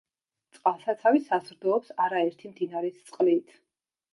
წყალსაცავი საზრდოობს არაერთი მდინარის წყლით.